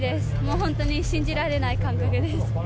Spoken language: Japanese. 本当に信じられない感覚です。